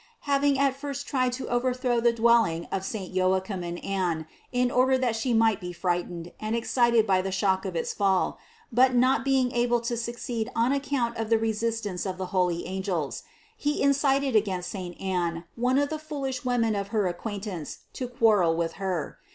Having at first tried to overthrow the dwelling of saint Joachim and Anne, in order that she might be frightened and excited by the shock of its fall, but not being able to succeed on account of the resistance of the holy angels, he incited against saint Anne one of the foolish women of her acquaintance to quarrel with her.